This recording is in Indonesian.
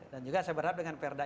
dan juga saya berharap dengan perda